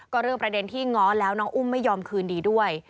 ก็เรื่องประเด็นที่ง้อแล้วน้องอุ้มไม่ยอมคืนดีด้วย